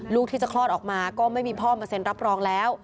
ลูกที่จะคลอดออกมาก็ไม่มีพ่อมาเซ็นรับรองแล้ว